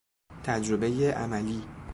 تجربهی عملی